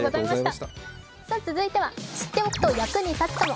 続いては知っておくと役に立つかも。